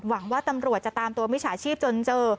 หวังว่าตำรวจจะตามตัวมิจฉาชีพจนเจอ